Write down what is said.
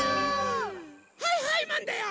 はいはいマンだよ！